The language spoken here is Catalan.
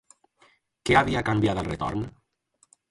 Què havia canviat al retorn?